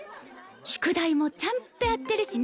宿題もちゃんとやってるしね。